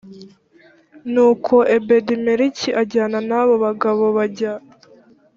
nuko ebedimeleki ajyana n abo bagabo bajya